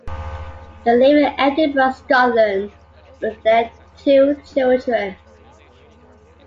They live in Edinburgh, Scotland, with their two children.